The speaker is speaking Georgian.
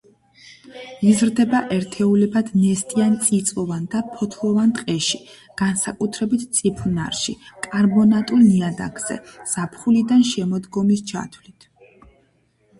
იზრდება ერთეულებად ნესტიან წიწვოვან და ფოთლოვან ტყეში, განსაკუთრებით წიფლნარში კარბონატულ ნიადაგზე ზაფხულიდან შემოდგომის ჩათვლით.